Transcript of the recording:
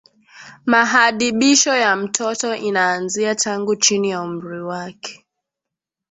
Mahadibisho ya mtoto inaanzia tangu chini ya umri wake